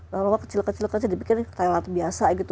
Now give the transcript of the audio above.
kalau kecil kecil kecil dipikir tayel alat biasa gitu